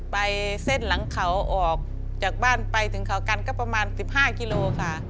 ไปเส้นหลังเขาออกจากบ้านไปถึงเขากันก็ประมาณ๑๕กิโลค่ะ